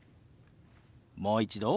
もう一度。